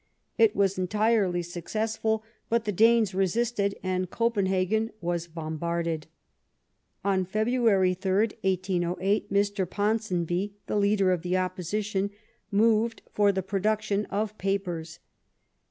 It was entirely suc cessful, but the Danes resisted, and Copenhagen was bombarded. On February 8, 1808, Mr. Ponsonby, the leader of the Opposition, moved for the production of papers.